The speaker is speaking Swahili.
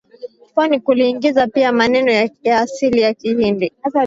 pwani kuliingiza pia maneno ya asili ya Kihindi